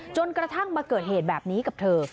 จนกระทั่งมาเกิดเหตุแบบนี้กับเธอ